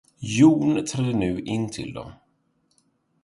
Jon trädde nu in till dem.